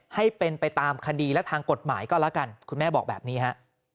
ให้เป็นไปตามคดีและทางกฎหมายก็แล้วกันคุณแม่บอกแบบนี้ฮะ